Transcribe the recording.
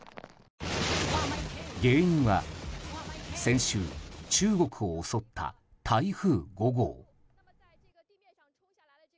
原因は先週、中国を襲った台風５号。